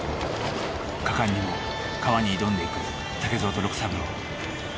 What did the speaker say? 果敢にも川に挑んでいく竹蔵と六三郎。